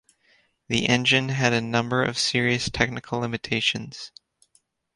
The engine had a number of serious technical limitations.